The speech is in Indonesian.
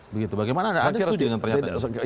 bagaimana anda akhirnya setuju dengan pernyataan ini